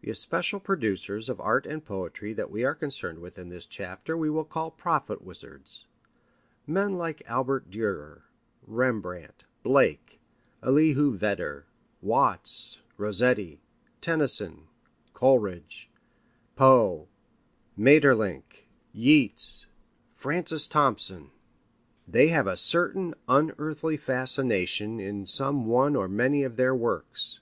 The especial producers of art and poetry that we are concerned with in this chapter we will call prophet wizards: men like Albert Dürer, Rembrandt, Blake, Elihu Vedder, Watts, Rossetti, Tennyson, Coleridge, Poe, Maeterlinck, Yeats, Francis Thompson. They have a certain unearthly fascination in some one or many of their works.